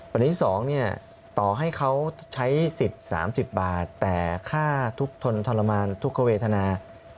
ประเด็นที่สองเนี่ยต่อให้เขาใช้สิทธิ์สามสิบบาทแต่ค่าทุกทนทรมานทุกเขาเวทนา